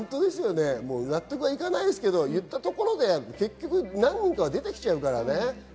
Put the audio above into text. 納得いかないですけど、言ったところで何人か出てきちゃうからね。